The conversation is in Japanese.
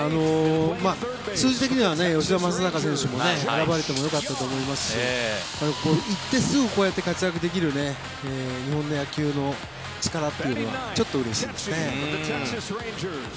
数字的には吉田正尚選手も選ばれてもよかったと思いますし行ってすぐ活躍できる日本の野球の力っていうのはちょっとうれしいですね。